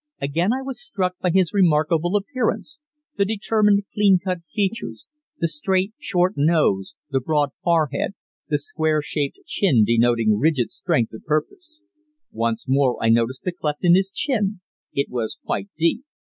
Again I was struck by his remarkable appearance the determined, clean cut features, the straight, short nose, the broad forehead, the square shaped chin denoting rigid strength of purpose. Once more I noticed the cleft in his chin it was quite deep.